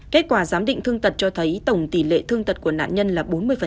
kết quả giám định thương tật cho thấy tổng tỷ lệ thương tật của nạn nhân là bốn mươi